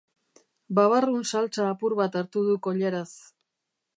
Babarrun saltsa apur bat hartu du koilaraz.